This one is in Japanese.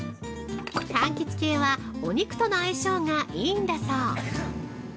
◆かんきつ系はお肉との相性がいいんだそう。